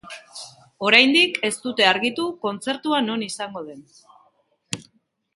Oraindik ez dute argitu kontzertua non izango den.